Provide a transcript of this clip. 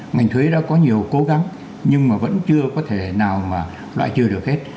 ngành thuế đã có nhiều cố gắng nhưng mà vẫn chưa có thể nào mà loại trừ được hết